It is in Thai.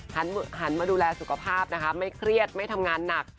หันมาดูแลสุขภาพนะคะไม่เครียดไม่ทำงานหนัก